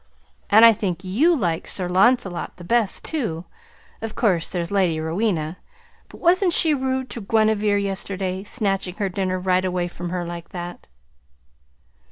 And I think YOU like Sir Lancelot the best, too. Of course, there's the Lady Rowena but wasn't she rude to Guinevere yesterday snatching her dinner right away from her like that?"